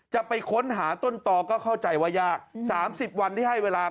จะไปค้นหาต้นตอก็เข้าใจว่ายาก๓๐วันที่ให้เวลา